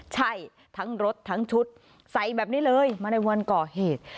ใช่ทั้งรถทั้งชุดใส่แบบนี้เลยมาในวันก่อเหตุ